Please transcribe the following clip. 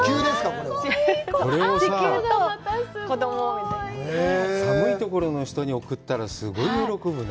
これをさぁ、寒いところの人に送ったらすごい喜ぶね。